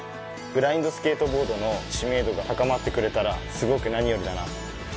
ブラインドスケートボードの知名度が高まってくれたらすごく何よりだな。